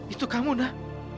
itu kamu nah